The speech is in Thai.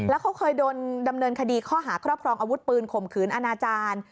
แล้วเขาเคยโดนดำเนินคดีข้อหาครอบครองอาวุธปืนข่มขืนอนาจารย์